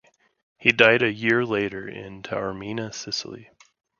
He died a year later in Taormina, Sicily.